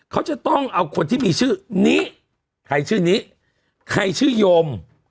เขาจะต้องเอาคนที่มีชื่อนี้ใครชื่อนี้ใครชื่อยม